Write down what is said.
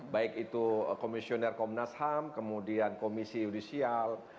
baik itu komisioner komnas ham kemudian komisi yudisial